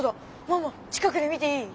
ママ近くで見ていい？